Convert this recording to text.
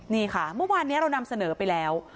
นี่ค่ะเมื่อวานนี้เรานำเสนอไปแล้ว